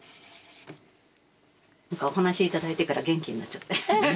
お話頂いてから元気になっちゃって。